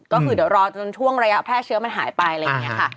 ก็คือเดี๋ยวรอจนช่วงระยะแพร่เชื้อมันหายไปอะไรอย่างนี้ค่ะ